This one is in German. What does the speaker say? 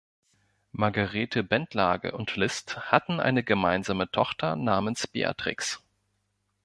Margarete Bentlage und List hatten eine gemeinsame Tochter namens Beatrix.